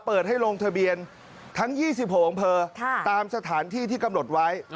เปิดให้ลงทะเบียนทั้ง๒๖อำเภอตามสถานที่ที่กำหนดไว้